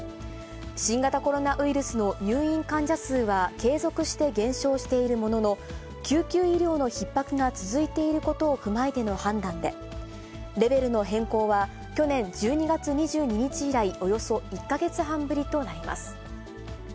新型コロナウイルスの入院患者数は継続して減少しているものの、救急医療のひっ迫が続いていることを踏まえての判断で、レベルの変更は去年１２月２２日以来、およそ１か月半ぶりとなります。